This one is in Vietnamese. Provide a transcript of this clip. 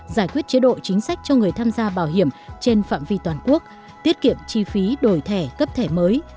giải quyết chế độ chính sách cho người tham gia bảo hiểm trên phạm vi toàn quốc tiết kiệm chi phí đổi thẻ cấp thẻ mới